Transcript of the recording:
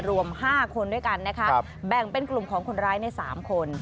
รวม๕คนด้วยกันนะคะแบ่งเป็นกลุ่มของคนร้ายใน๓คน